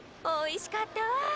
おいしかったわ。